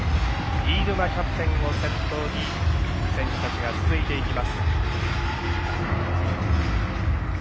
飯沼キャプテンを先頭に選手たちが続いていきます。